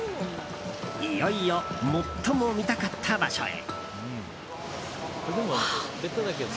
いよいよ、最も見たかった場所へ。